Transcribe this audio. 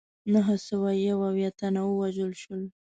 نهه سوه یو اویا تنه ووژل شول.